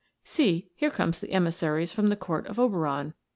See, here come emissaries from the Court of Oberoii